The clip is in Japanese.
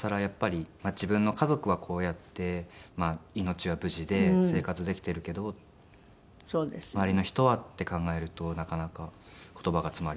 自分の家族はこうやって命は無事で生活できているけど周りの人はって考えるとなかなか言葉が詰まりました。